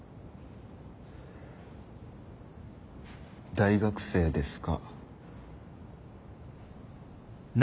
大学生ですか？